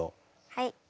はい。